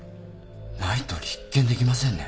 ないと立件できませんね。